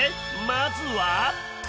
まずは。